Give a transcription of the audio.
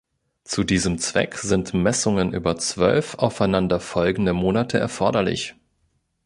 Zu diesem Zweck sind Messungen über zwölf aufeinander folgende Monate erforderlich.